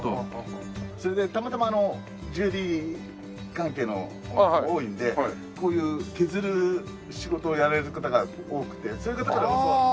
それでたまたまジュエリー関係のお店が多いんでこういう削る仕事をやれる方が多くてそういう方から教わって。